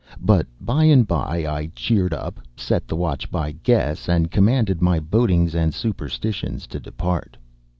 But by and by I cheered up, set the watch by guess, and commanded my bodings and superstitions to depart.